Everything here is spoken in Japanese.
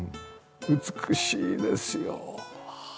美しいですよはあ。